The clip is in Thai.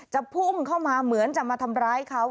พุ่งเข้ามาเหมือนจะมาทำร้ายเขา